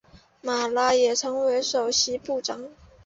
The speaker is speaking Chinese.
马拉也成为首席部长。